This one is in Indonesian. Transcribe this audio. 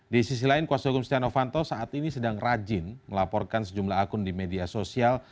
di sisi lain kuasa hukum setia novanto saat ini sedang rajin melaporkan sejumlah akun di media sosial